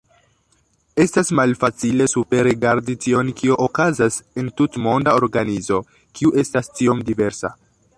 Estas malfacile superrigardi tion kio okazas en tutmonda organizo, kiu estas tiom diversa.